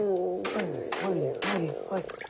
はいはいはいはい。